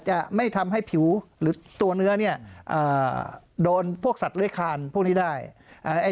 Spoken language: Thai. จะไม่ทำให้ผิวหรือตัวเนื้อเนี่ยโดนพวกสัตว์เลื้อยคานพวกนี้ได้